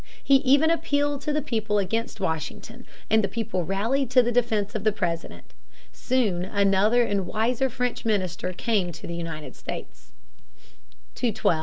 He even appealed to the people against Washington, and the people rallied to the defense of the President. Soon another and wiser French minister came to the United States. [Sidenote: The Treaty of Alliance of 1778.